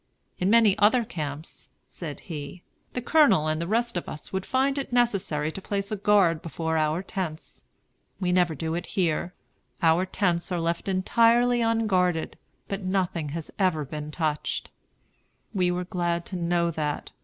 "In many other camps," said he, "the Colonel and the rest of us would find it necessary to place a guard before our tents. We never do it here. Our tents are left entirely unguarded, but nothing has ever been touched." We were glad to know that.